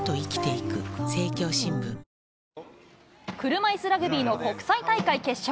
車いすラグビーの国際大会決勝。